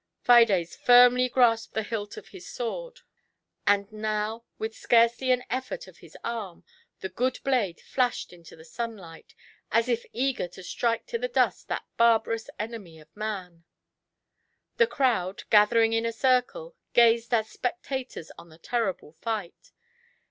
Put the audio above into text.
Fides finnly grasped the hilt of his sword, and now, with scarcely an effort of his arm, the good blade flashed in the sunlight, as if eager to strike to the dust 108 CIANT HATE. that barbaix)U8 enemy of man. The crowd, gathering in a circle, gazed as spectators on the terrible fight.